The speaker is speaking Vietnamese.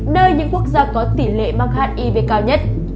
nơi những quốc gia có tỷ lệ mắc hiv cao nhất